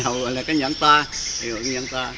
hồi trước là cây nhãn ta